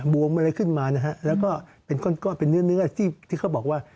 บวงมันเลยขึ้นมาแล้วก็เป็นเนื้อที่เขาบอกว่า